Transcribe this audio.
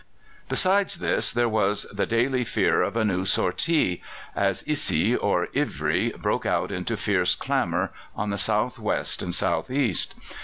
Besides this there was the daily fear of a new sortie, as Issy or Ivry broke out into fierce clamour on the south west and south east.